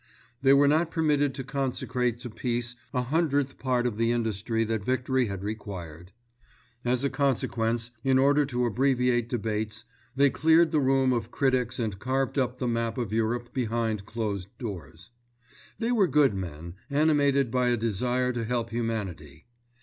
They were not permitted to consecrate to peace a hundredth part of the industry that victory had required. As a consequence, in order to abbreviate debates, they cleared the room of critics and carved up the map of Europe behind closed doors. They were good men, animated by a desire to help humanity.